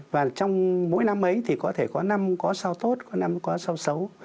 và trong mỗi năm ấy thì có thể có năm có sao tốt có năm có sao xấu